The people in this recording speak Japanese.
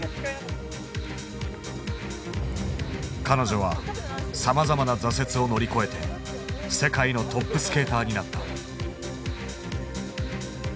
彼女はさまざまな挫折を乗り越えて世界のトップスケーターになった。